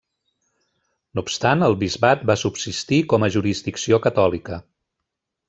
No obstant el bisbat va subsistir com a jurisdicció catòlica.